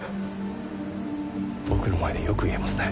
僕の前でよく言えますね。